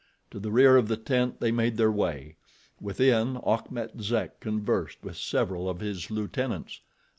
To the rear of the tent they made their way. Within, Achmet Zek conversed with several of his lieutenants.